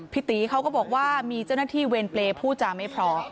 พี่ตีเขาก็บอกว่ามีเจ้าหน้าที่เวรเปรย์พูดจาไม่พอ